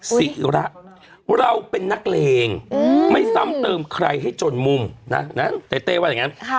ศิระเราเป็นนักเลงไม่ซ้ำเติมใครให้จนมุมนะนั้นเต้เต้ว่าอย่างนั้น